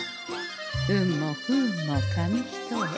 運も不運も紙一重。